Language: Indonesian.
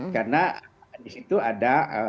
karena di situ ada